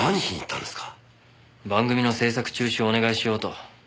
番組の制作中止をお願いしようと。